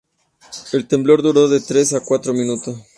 El temblor duró de tres a cuatro minutos.